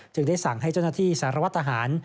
ได้สั่งให้เจ้าหน้าที่สารวัตรทหาร